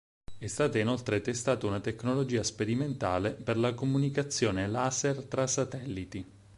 È stata inoltre testata una tecnologia sperimentale per la comunicazione laser tra satelliti.